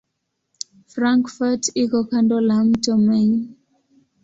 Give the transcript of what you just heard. Frankfurt iko kando la mto Main.